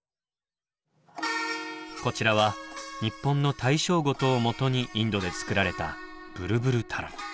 こちらは日本の大正琴をもとにインドで作られたブルブルタラン。